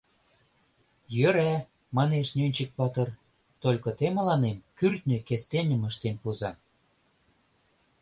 — Йӧра, — манеш Нӧнчык-патыр, — только те мыланем кӱртньӧ кестеным ыштен пуыза.